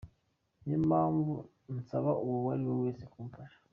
Niyo mpamvu nsaba uwo ari wese ko yamfasha.